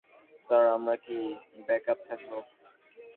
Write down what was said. Sir, আমরা কি backup ডাকবো?